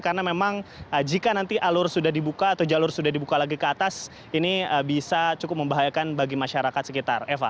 karena memang jika nanti jalur sudah dibuka lagi ke atas ini bisa cukup membahayakan bagi masyarakat sekitar